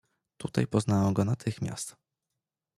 "Tutaj poznałem go natychmiast."